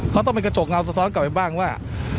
เขาต้องเป็นกระจกเงาสะท้อนกลับไปบ้างว่า